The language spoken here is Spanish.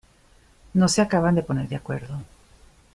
No se acaban de poner de acuerdo.